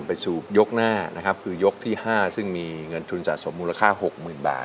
ไปสู่ยกหน้านะครับคือยกที่๕ซึ่งมีเงินทุนสะสมมูลค่า๖๐๐๐บาท